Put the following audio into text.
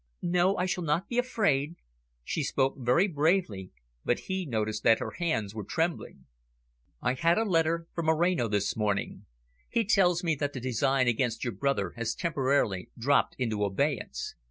"No, I shall not be afraid." She spoke very bravely, but he noticed that her hands were trembling. "I had a letter from Moreno this morning. He tells me that the design against your brother has temporarily dropped into abeyance.